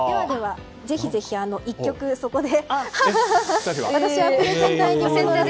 ぜひぜひ、１局そこで。